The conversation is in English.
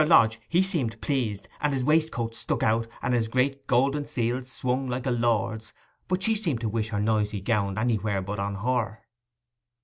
Lodge, he seemed pleased, and his waistcoat stuck out, and his great golden seals hung like a lord's; but she seemed to wish her noisy gownd anywhere but on her.